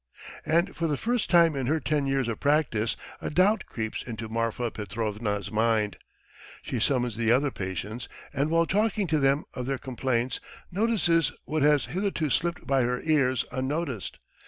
And for the first time in her ten years of practice a doubt creeps into Marfa Petrovna's mind. ... She summons the other patients, and while talking to them of their complaints notices what has hitherto slipped by her ears unnoticed.